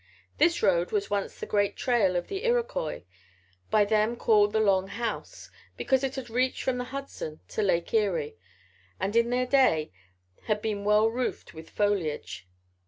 This road was once the great trail of the Iroquois, by them called the Long House, because it had reached from the Hudson to Lake Erie, and in their day had been well roofed with foliage.